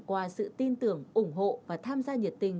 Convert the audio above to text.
qua sự tin tưởng ủng hộ và tham gia nhiệt tình